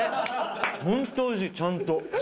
ホントおいしいちゃんと。